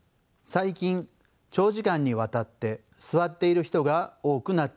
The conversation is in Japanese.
最近長時間にわたって座っている人が多くなっています。